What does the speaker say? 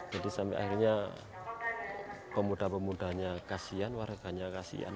jadi sampai akhirnya pemuda pemudanya kasian warganya kasian